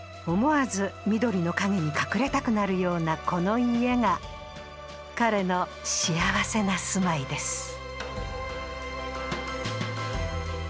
思わず緑の陰に隠れたくなるようなこの家が彼の幸せな住まいです